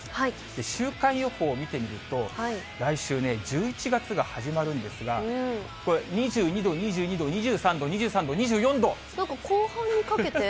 週間予報見てみると、来週、１１月が始まるんですが、これ、２２度、２２度、２３度、なんか後半にかけて。